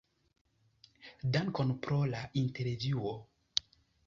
Dankon pro la intervjuo!